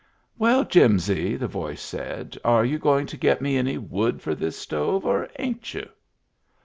" Well, Jimsy," the voice said, " are you going to get me any wood for this stove — or ain't you?"